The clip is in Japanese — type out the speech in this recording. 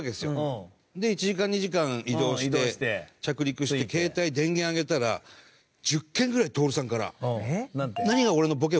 で１時間２時間移動して着陸して携帯電源上げたら１０件ぐらい徹さんから。